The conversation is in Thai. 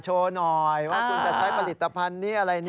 โชว์หน่อยว่าคุณจะใช้ผลิตภัณฑ์นี้อะไร